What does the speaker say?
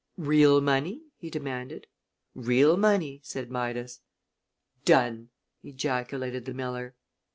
"Real money?" he demanded. "Real money," said Midas. "Done!" ejaculated the miller.